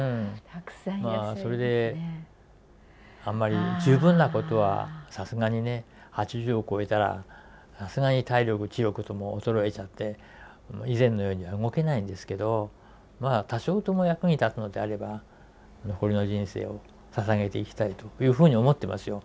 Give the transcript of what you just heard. それであんまり十分なことはさすがにね８０を超えたらさすがに体力知力とも衰えちゃって以前のようには動けないんですけどまあ多少とも役に立つのであれば残りの人生をささげていきたいというふうに思ってますよ。